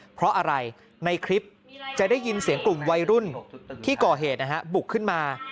เพราะอะไรในคลิปจะได้ยินเสียงกลุ่มวัยรุ่นที่ก่อเหตุบุกขึ้นมา